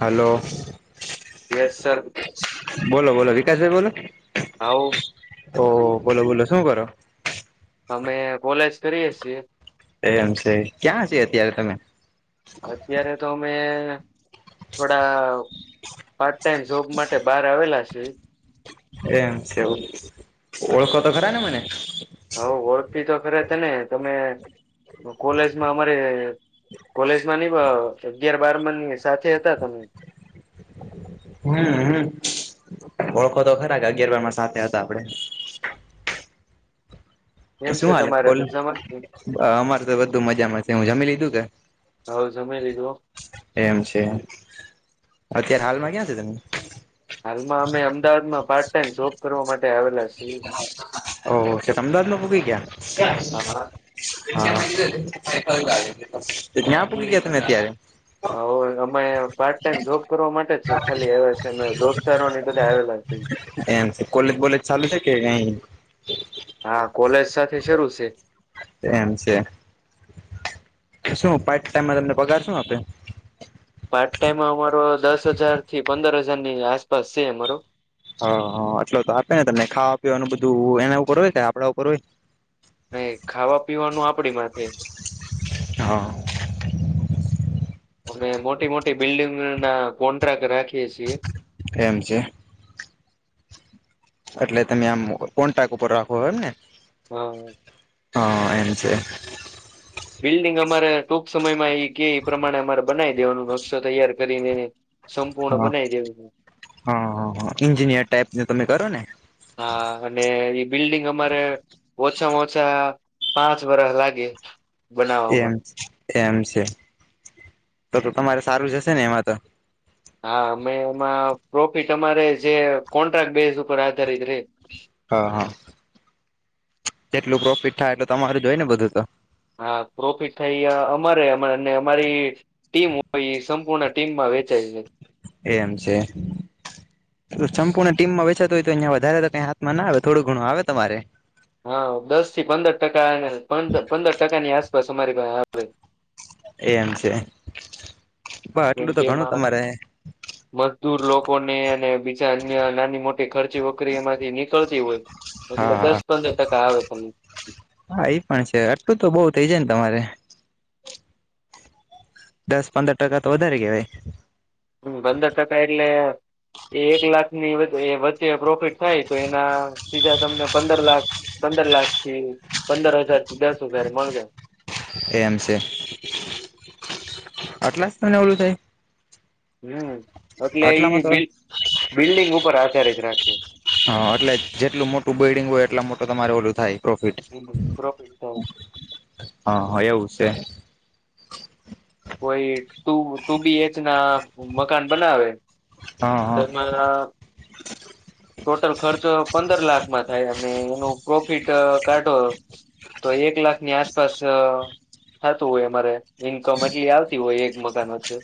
Hello guys કે સ બોલો ઓ બોલો બોલો શું કર અમે કોલેજ કરીએ છીએ એમ છે ક્યાં છે અત્યારે તમે અત્યારે તો અમે થોડા ટાઈમ જોબ માટે બહાર આવેલા છે એમ છે ઓળખો તો ખરા ને મને હવે ઓળખી તો ખરે તને તમે કોલેજમાં અમારે કોલેજમાં નહી અગિયાર બાર મની સાથે હતા તમે હમ હમ ઓળખો તો ખરા કે અગિયારબરમાં સાથે હતા આપડે કેમ શું છે હાલે તમારે કોલ મજામાં છે? અમારે તો બધુ મજામાંશે હું જમી લીધું કે હ સમય લી ગો એમ છે અત્યારે હાલમાં ક્યાં છે તમે હાલમાં અમે અમદાવાદમાં પાર્ટ જોબ કરવા માટે આવેલા છે ઓહછ અમદાવાદમાં પગી ગયા હા હા પગ કેતને એત આવે હાવે અમે પાર્ટ ટાઈમ જોબ કરવા માટે જ ખાલી આવે છે દોસ્તારો ની બધા આવેલા સે કોલેજ બોલે ચાલુ છે કે ક હા કોલેજ સાથે શરૂ છે એમ છે શું પાટ ટાઈમમાં તમને પગારશું આપે પાર્ટ ટાઈમ અમારો દસ હજાર થી પંદર હજારની આસપાસ છે અમારો હા એટલો તો આપે ને તને ખાવા પીવા એનું બધું એના ઉપર હોય કે આપણા ઉપર હોય અ ખાવા પીવાનું આપડી માટે હા અનેમે મોટી મોટી બિલ્ડિંગ ના કોન્ટ્રાક્ટ છીએ એમ છે એટલે તમે આમ કો ટાક ઉપર રાખો હોય એમને હમ હ એમ છેો બિલ્ડિંગ અમારે ટૂક સમય માં એ કે એ પ્રમાણે અમારે બનાવી દેવાનું નશો તૈયાર કરીનેને હા હા હા હ એન્જિનિયર ટાઈપ તમે કરો ને હા અને ઈ બિલ્ડિંગ અમારે ઓછામાં ઓછા પાંચ વરષ લાગે બનાવામાં. એમ એમ છે તો તમારે સારું જ હશે ને એમાં તો? હા અમે એમાં પ્રોફિટ અમારે જે કોન્ટ્રાક્ટ બેઝ ઉપર આધારિત રે. હા હા જેટલું પ્રોફિટ થાય એટલુ તમારું જોઈ ને બધું તો? હા પ્રોફિટ થાય એ અમારે અમારી ટીમ હોય ઇ સંપૂર્ણ ટીમમાં વેચાઈ છે. એમ છે સંપૂર્ણ ટીમમાં વેચાતુ તોય તો ત્યાં વધારે તો કઈ હાથમાં હા દસ થી પંદર ટકા પંદર ટકાની આસપાસ અમારી આવે. એમ છે પણ આટલું તો ઘણું તમારે દૂર લોકો ને અને બીજા અન્ય નાની મોટી ખર્ચી વખરી એમાંથી નીકળતી હોય હા એટલે દસ હા પંદર ટકા આવે તમને હા એઈ પણ છે આટલું તો બઉ થઈ જાય ને તમારે. દસ પંદર ટકા તો વધારે કેવાય! હમ પંદર ટકા એટલે એક લાખ ની તો એ વચ્ચે પ્રોફિટ થાય તો એના સીધા તમને પંદર લાખ પંદર લાખ થી પંદર હજાર થી દસ હજાર [unintelligible] એમ છે આટલા [unintelligible] થાય? હમ એટલે એ આટલામાં તો બ બિલ્ડિંગ ઉપર આધારિત રાખે. હા એટલે જેટલું મોટું બિલ્ડિંગ હોય એટલુ મોટું તમારે ઓલું થાય. પ્રોફિટ પ્રોફિટ થવું હા હા એવું છે. કોઈ ટુ ટુ બી એચ ના મકાન બનાવે હા તો હા મારા [inaudible] ટોટલ ખર્ચો પંદર લાખમાં થાય અને એનું પ્રોફિટ કાઢો તો એક લાખની આસપાસ થતું હોય અમારે ઇન્કમ એટલી આવતી હોય એક મકાન વચ્ચે.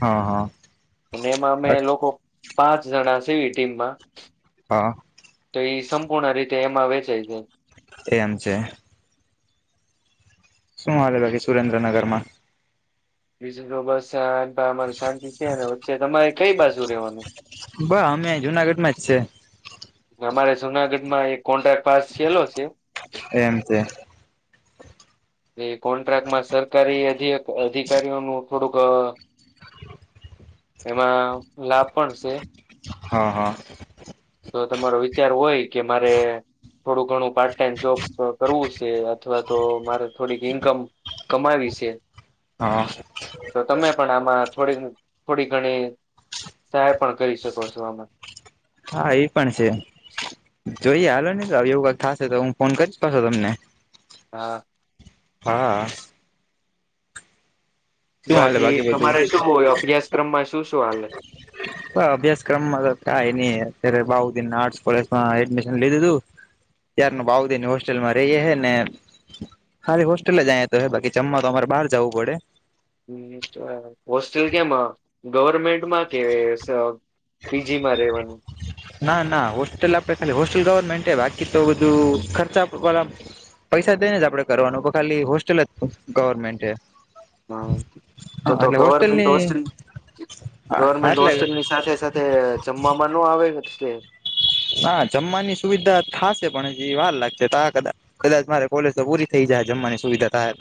હા અને એમાં અમે હા લોકો પાંચ જણા સવી ટીમમાં હા તો ઈ સંપૂર્ણ રીતે એમાં વેચાઈ જાય. એમ છે શું હાલે ભકી સુરેન્દ્રનગર માં? બીજુ તો બસ આ અમારી શાંતિ છે અને વચ્ચે તમારે કઈ બાજુ રેવાનુ? જુનાગઢ મા જ છે. અમારે જુનાગઢમાં એક કોન્ટ્રાક્ટ પાસ થયલો છે એમ છે એ કોન્ટ્રાક્ટમાં સરકારી અધિ અધિક [unintelligible] થોડુંક એમાં લાભ પણ છે હા હા તો તમારો વિચાર હોય કે મારે થોડું ઘણું પાર્ટ ટાઈમ જોબ કરવું છે અથવા તો મારે થોડીક ઈન્કમ કમાવી છે હા તો તમે પણ આમાં થોડી થોડી ઘણી સહાય પણ કરી શકો છો આમાં. હા એ પણ છે. જોઈ હાલો ને તો એવું થશે તો હું ફોન કરીશ પાછો તમને. હા હા શું હાલે બાકી બધું તમારે શુંય અભ્યાસક્રમમાં શું શું હાલે હ અભ્યાસક્રમમાં તો ક અત બાઉદીન આર્ટ કોલેજમાં એડમિશન લઈ દીધું ત્યાર ન ભઉ દેની હોસ્ટેલમાં રહીએ હ ને હારે હોસ્ટેલલે જાય તો હ બાકી જમવા તો અમારે બહાર જવું પડે હ હોસ્ટેલ કેમ ગવર્મેન્ટમાં કે પીજી માં રહેેવાનું ના ના હોસ્ટેલ આપડે ખાલી હોસ્ટેલ ગવર્મેન્ટ બાકી તો બધું ખર્ચા વાળા પૈસા દઈ ને જ આપડે કરવાનું ખાલી હોસ્ટેલ જ ગવર્મેન્ટ છે હા તો તો ગવર્મેન્ટ ઓ હોસ્ટેલની હા ગવર્મેન્ટ એટલે હોસ્ટેલની સાથે સાથે જમવામાં ન આવે છે નાા જમવાની સુવિધા થશે પણ હજી વાર લાગશે તો કદા કદાચ મારે કોલેજ તો પૂરી થઈ બ જ જમવાની સુવિધા થાય ત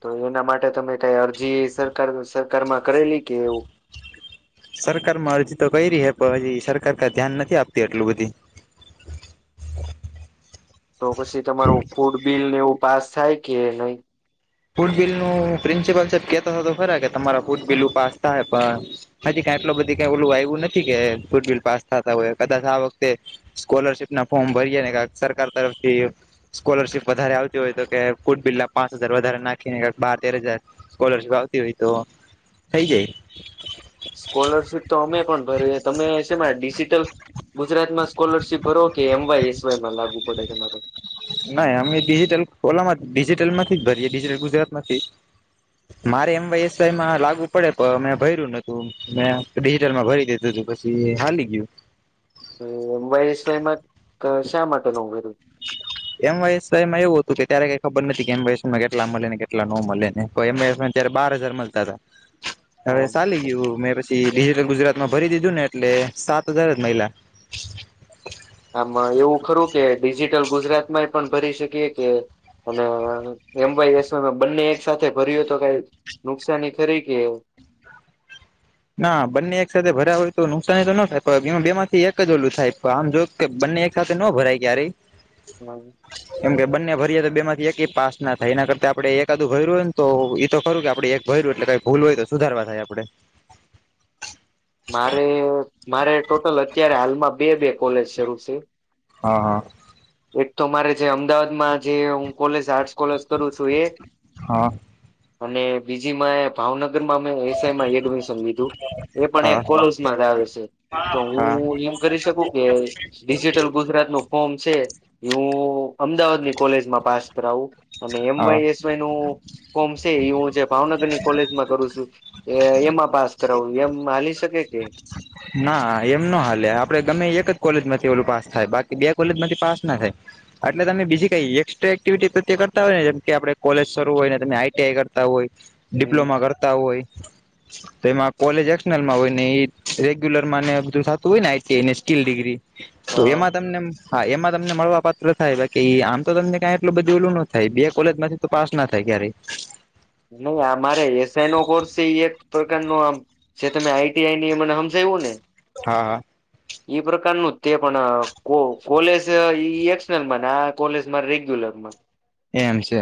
તો એના માટે તમે કઈ અરજી સરકાર સરકારમાં કરેલી કે એવું સરકારમાં અરજી તો કરીઈ રહી હે પણ હજી સરકાર ક ધ્યાન નથી આપતી એટલું બધી હ તો પછી તમારું ફૂડ બિલને એવું પાસ થાય કે નહી ફૂડ બિલ નું પ્રિન્સિપલ સાહેબ કેતા હતા તો ખરા કે તમારા ફૂડ બિલ પાસ થ પણ હ ટ બધ ક ઓલું આવ્યું નથી કે ફૂ બિલ પાસ થતા હોય કદાચ આ વખતે સ્કોલરશીપ ના ફોર્મ ભરીએ ને સરકાર તરફથી સ્કોલરશીપ વધારે આવતી હોય તો કે ફુટ બિલ ના પાંચ હજાર વધારે નાખીને બાર તેર હજાર સ્કોલરશીપ આવતી હોય તો થઈ જાય સ્કોલરશીપ તો અમે પણ ભરીએ તમે છેમાં ડિજિટલ ગુજરાત માં સ્કોલરશિપ ભરો કે એમવાય એસ વાયમાં લાગુ પડે તમારો [unintelligible] ડિજિટલ ડિજિટલ માંથી જ ભરીએ. ડિજિટલ ગુજરાત માંથી મારે એમવાયએસવાયમાં લાગુ પડે પણ મેં ભર્યું નતું. મેં ડિજિટલમાં ભરી દીધું તું. પછી હાલી ગયું. એમવાયએસવાયમાં શા માટે ન ભર્યું? [inaudible] એમવાયએસવાયમાં એવું હતું કે ત્યારે કઈ ખબર નથી કે એમવાયએસવાયમાં કેટલા મલે ને કેટલા ન મલે ને તો બાર હજાર મલતા તા. હવે ભર્યું? ચાલી ગયું મે પછી ડિજટલ ગુજરાત એમાં ભરી દીધું ને એટલે સાત હજાર જ મઈલા. આમ એવું ખરું કે ડિજિટલ ગુજરાતમાંય પણ ભરી શકીએ કે અને એમવાયએસવાયમાં બંને એક સાથે ભર્યો તો કઈ નુકસાની ખરી કે? [inaudible] ના, બંને એક સાથે ભર્યા હોય તો નુકસાની તો ન થાય પણ એમા બે માંથી એક જ ઓલું થાય. આમ જો ને એક સાથે ન ભરાય ક્યારેય. કેમ કે બ રીએ તો બે માંથી એકય પાસ ના થાય. એના કરતા આપડે એકાદું ભર્યું હોય ન તો એ તો ખરું કે આપડે એક ભયર્યું એટલે કઈ ભૂલ હોય તો સુધારવા થાય આપડે. મારે, મારે ટોટલ અત્યારે હાલમાં બે-બે કોલેજ શરૂ છે. હઅ. એક તો મારે જે અમદાવાદમાં જે હું કોલેજ આર્ટસ કોલેજ કરું છું એ. હા અને બીજીમાં ભાવન ગરમાં મે એસઆઈમાં એડમિશન લીધું. એ પણ એક હા હા કોરલસમાં જ આવે છે. તો હા હું એમ કરી શકું કે ડિજિટલ ગુજરાતનું ફોર્મ છે એ હું અમદાવાદની કોલેજમાં પાસ કરાવું અને હા એમવાયએસવાયનું ફોર્મ શે એ હું જે ભાવનગરની કોલેજમાં કરું છું. એ એમાં પાસ કરાવું એમ હાલી શકે કે ના, એમ ન હાલે આપડે ગમે એ એક જ કોલેજમાં માંથી ઓલુ પાસ થાય. બાકી બે કોલેજમાંથી પાસ ના થાય. એટલે તમે બીજી કઈ એકક્સ્ટ્રા એક્ટિવિટી પ્રત્યે કરતા હોય જેમ કે આપડે કોલેજ શરૂ હોય ને તમે આઈટીઆઈ કરતા હોય હમ ડિપ્લોમા કરતા હોય તો એમાં કોલેજ એક્શનલમાં હોય ને એ રેગ્યુલરમાં ને બધુ થાતું હોય ને આઈટી ને સ્કિલ ડિગ્રી તો હા એમાં તમને. હા, એમાં તમને મળવા પાત્ર થાય. બાકી આમ તો તમને કાય એટલું બધું ઓલું ન થાય બે કોલેજમાંથી તો પાસ ના થાય ક્યારે. નઈ, આ મારે એસઆઈનો કોર્સ શે ઈ એક પ્રકારનો આમ જે તમે આઈટીઆઈની મને હમજાયવું ને હા. એ પ્રકારનું જ તે, પણ કો કોલેજ ઈ એક્સટર્નલમાં ને આ કોલેજ માર રેગ્યુલર. [unintelligible] એમ છે.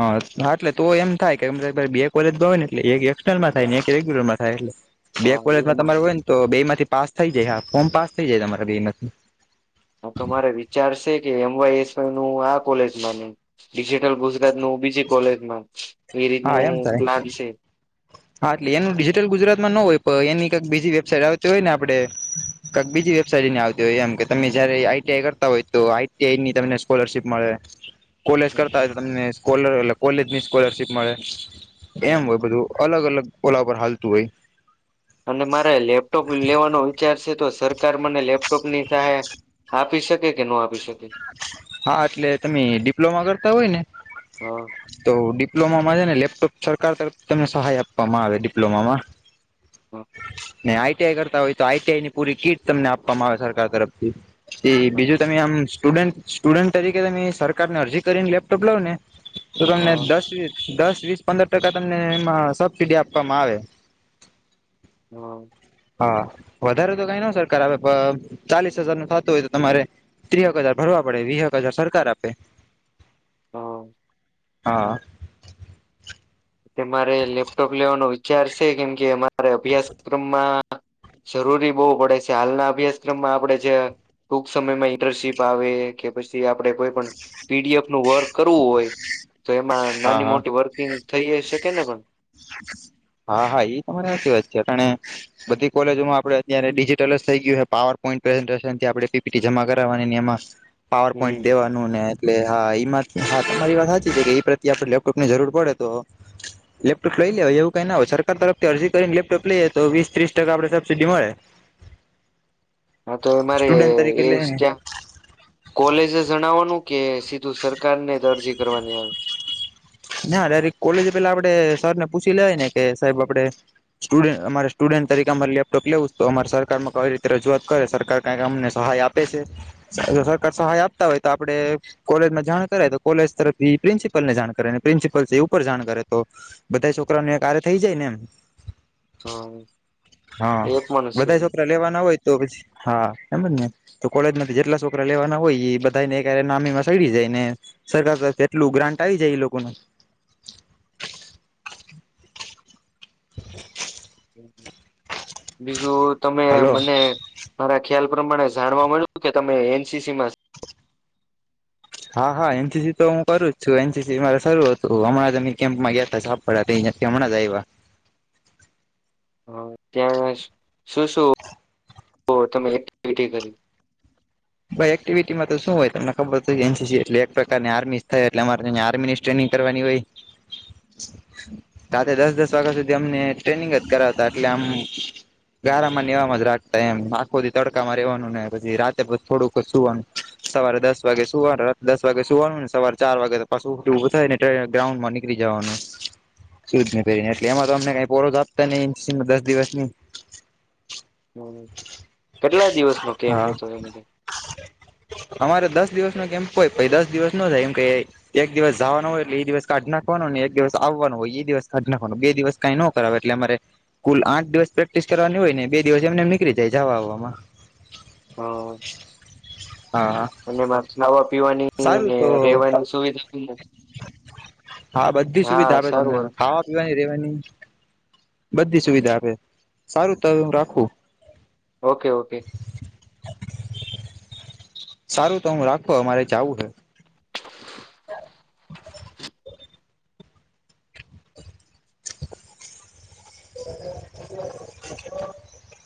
હા, હા, એટલે તો એમ થાય કે બે કોલેજ હોય ને એટલે એક એક્સટર્નલમાં થાય ને એક રેગ્યુલરમાં થાય એટલે બે હા કોલેજમાં એમાં તમાર હોય ને તો બે માંથી પાસ થઈ જાય. હા, ફોર્મ પાસ થઈ જાય તમાર બે માંથી. હન, તો મારે વિચારશે કે એમવાયએસ નું આ કોલેજમાં ને ડિજિટલ ગુજરાતનું બીજી કોલેજમાં. એ હા, રીતનું એમ થાય. પ્લાન છે. હા, એટલે એનું ડિજિટલ ગુજરાતમાં ન હોય તો એની કઈક બીજી વેબસાઈટ આવતી હોય ન આપડે. કઈક બીજી વેબસઇટ એની આવતી હોય એમ કે તમે જયારે આઈટીઆઈ કરતા હોય તો આઈટીઆઈની તમને સ્કોલરશીપ મળે. કોલેજ કરતા હોય તો તમને કોલ અલે કોલેજની સ્કોલરશીપ મળે. એમ હોય બધું અલગ-અલગ ઓલા પર હાલતું હોય. અને મારે લેપટોપ લેવાનો વિચાર છે, તો સરકાર મને લેપ ટોપની સહાય આપી શકે કે ન આપી શકે? હા, એટલે તમે ડિપ્લોમા કરતા હોય ને હા તો ડિપ્લોમામાં છે ને લેપટોપ સરકાર તરફ તમને સહાય આપવામાં આવે ડિપ્લોમામાં. [inaudible] ન આઈટીઆઈ કરતા હોય. તો આઈટીઆઈ ની પૂરી કીટ તમને આપવામાં આવે સરકાર તરફથી એ હા બીજું તમે આમ સ્ટુડન્ટ, સ્ટુડન્ટ તરીકે તમે સરકારને અરજી કરીને લેપટોપ લાવ ને શ તમને હા દસ દસ વ્રીસ પંદર ટકા તમને એમાં સબસીડી આપવામાં આવે. [inaudible] હા વધારે તો કઈ ન સરકાર આવેે. પણ ચાલીસ હજાર નું થતું હોય તો તમારે ત્રીક હજાર ભરવા પડે વીક હજાર સરકાર આપે. [inaudible] હા. મારે લેપટોપ લેવાનો વિચાર છે. કેમ કે અમારે અભ્યાસક્રમમાં જરૂરી બહવુ પડે છે. હાલના અભ્યાસક્રમમાં આપણેે જે ટૂંક સમયમાં ઇન્ટર્નશીપ આવે કે પછી આપડે કોઈ પણ, પીડીએફ નું વર્ક કરવું હોય તો એમાં હા નાની હા મોટી વર્કિંગ થઈ જ શકે ને પણ. હા હા એ તમારે સાચી વાત છે બધી કોલેજોમાં આપડે અત્યારે ડિજિટલ જ થઈ ગયું છે પાવર આપ પીપીટી જમા કરવાની એમાં પાવર પોઈન્ટ હમ દેવાનું ને એટલે હા એમાં હા તમારી વાત સાચી છે કે એ પ્રત્યે, આપણે લેપટોપ ની જરૂર પડે તો લેપટોપ લઈ લેવા એવું. કઈ ના હોય સરકાર તરફથી અરજી કરીને લેપટોપ લઈએ તો, વીસ ત્રીસ ટકા આપડે સબસીિડી મળે. [inaudible] હા તો મારે સ્ટુડન્ટ તરીકે એ લઈને ત્યાં. કોલેજ જણાવવાનું કે સીધું સરકાર ને જ અરજી કરવાની આવે. ના ડરેક કોલેજ પેલા આપડે સર ને પૂછી લેવાય ને કે, સાહેબ આપડે સ્ટુડ અમારે સ્ટુડ તરીકે અમારે લેપટોપ લેવું તો અમા સરકાર માં કઈ રીતે રજૂઆત કરે, સરકાર ક અમને સહાય આપે છે. સરકાર સહાય આપતા હોય તો. આપડે કોલેજમાં જાણ કરાય તો, કોલેજ તરફથી પ્રિન્સિપલને જાણ કરેને. પ્રિન્સિપલ છે એ ઉપર જાણ કરે તો બધા છોકરાને કાર થઈ જાય ને એમ. હા હા એ પણ છે બધા છોકરા લેવાના હોય તો પછી હા એમજ ને. તો કોલેજમાંથી જેટલા છોકરા લેવાના હોય એ બધા ને ક નામી માં સડી જાય ને સરકાર તરફ એટલું ગ્રાન્ટ આવી જાય એ લોકોને. [inaudible] બીજું તમે હલો મને મારા ખ્યાલ પ્રમાણે જાણવા મળ્યું કે, તમે એનસીસીમાં હા હા એનસીસી તો હું કરું જ છું. એનસીસી મા શરૂ હતું હમણાંની કેમ્પમાં ગયા હતા સાપડ કેમણા જાયવા. હ ત્યાં શું? શું? તો તમે એક ટીટી કરી. એક્ટિવિટીમાં શું હોય. તમને ખબર એનસી એટલે એક પ્રકારની આર્મી થાય એ અમારે આર્મીની. ટ્રેનિંગ કરવાની કઈ? રાતે દસ દસ વાગ્યા સુધી અમને ટ્રેનિંગ જ કરાવતા. એટલે આમ ગારામાં એવામાં જ રાખતા એમ. આખોધી તડકામાં રહેેવાનું ને પછી રાતે પછી થોડુંક સુવાનું. સવારે દસ વાગે સુવાનું રા દસ વાગે સુવાનું ને સવારે ચાર વાગે તો પા ઉ ઉું થાય ને ગ્રાઉન્ડ માં નીળ જવાનું. સૂઝને પહેરીને એટલે એમાં તો અમને કઈજ આપતા નહી. દસ દિવસની હ કેટલા દિવસ નો કેમ્પ હા હતો એમાં? [inaudible] અમારે દસ દિવસ નો કેમ્પ હોય. પઈ દસ દિવસ નો થાય એમ ક એક દિવસ જવાનો હોય એટલે એ. દિવસ કાઢ નાખવાનો. એક દિવસ આવવાનું હોય એ દિવસ ખ નાખવાનું બે દિવસ કઈ ન કરાવે એટલે અરે કુલ આઠ દિવસ પ્રેક્ટિસ કરવાની હોય. ને બે દિવસ એમને એમ નીકળી જાય જવાવામાં. હા. હા અને એમાં ખાવા પીવાની સારું ને તો રહેેવાની સુવિધા ને હા બધી સુવિધા આપ તમને ખાવા પીવાની રેવાની. બધી સુવિધા આપે સારું ત રાખું. ઓકે ઓકે સારું તો હું રાખો અમારે જાવું હે. [inaudible] [unintelligible] [unintelligible]